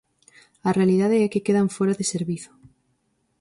A realidade é que quedan fóra de servizo.